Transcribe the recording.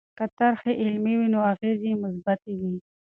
که طرحې علمي وي نو اغېزې یې مثبتې وي.